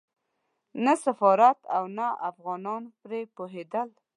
نه سفارت او نه افغانان پرې پوهېدل.